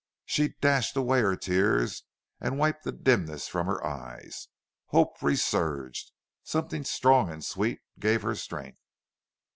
She dashed away her tears and wiped the dimness from her eyes. Hope resurged. Something strong and sweet gave her strength.